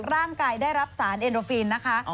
ร่างกายได้รับสารเอนโอกฟีลนะคะ